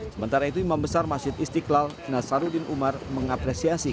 sementara itu membesar masjid istiqlal nasaruddin umar mengapresiasi